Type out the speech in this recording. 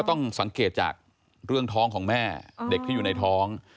ต้องสังเกตจากเรื่องท้องของแม่เด็กที่อยู่ในท้อง